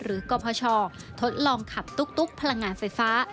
กรพชทดลองขับตุ๊กพลังงานไฟฟ้า